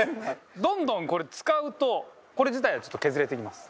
どんどんこれ使うとこれ自体がちょっと削れていきます。